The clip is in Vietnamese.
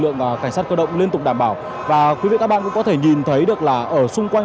lượng cảnh sát cơ động liên tục đảm bảo và quý vị các bạn cũng có thể nhìn thấy được là ở xung quanh